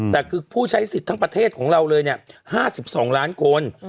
แต่คือผู้ใช้สิทธิ์ทั้งประเทศของเราเลย๕๒ล้านคน